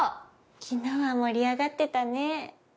昨日は盛り上がってたね。